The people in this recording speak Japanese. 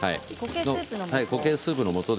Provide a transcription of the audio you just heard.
固形スープのもと。